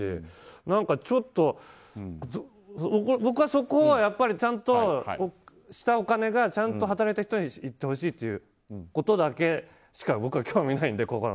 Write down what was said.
何かちょっと僕はそこはちゃんとしたお金がちゃんと働いた人にいってほしいということだけしか僕は興味ないので。